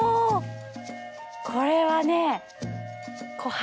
これはね。